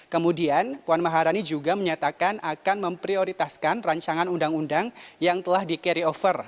kemudian puan maharani juga menyatakan akan memprioritaskan rancangan undang undang yang telah di carry over